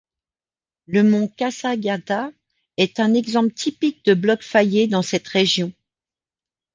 Le mont Kasagata est un exemple typique de bloc faillé dans cette région.